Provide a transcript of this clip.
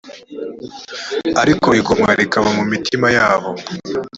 ariko igomwa rikaba mu mitima yabo